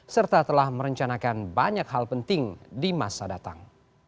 serta telah merencanakan banyak hal penting di masa datang